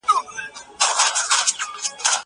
زه اجازه لرم چي شګه پاک کړم.